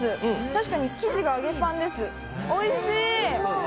確かに生地が揚げパンですおいしい！